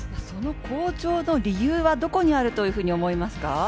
その好調の理由はどこにあると思いますか？